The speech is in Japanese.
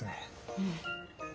うん。